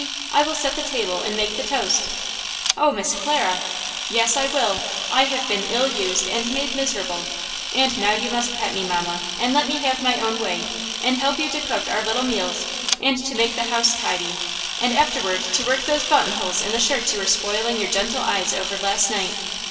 I will set the table and make the toast!" "Oh Miss Clara–" "Yes, I will! I have been ill used and made miserable, and now you must pet me, mamma, and let me have my own way and help you to cook our little meals and to make the house tidy and afterward to work those buttonholes in the shirts you were spoiling your gentle eyes over last night.